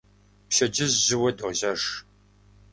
Пщэдджыжь жьыуэ дожьэж.